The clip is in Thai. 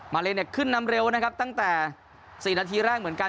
เลเนี่ยขึ้นนำเร็วนะครับตั้งแต่๔นาทีแรกเหมือนกัน